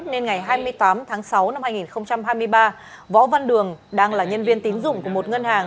nên ngày hai mươi tám tháng sáu năm hai nghìn hai mươi ba võ văn đường đang là nhân viên tín dụng của một ngân hàng